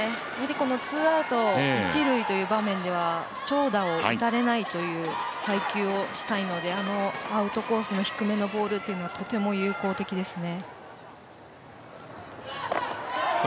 ツーアウト、一塁という場面では長打を打たれないという配球をしたいのでアウトコースの低めのボールというのは、とても有効的ですね。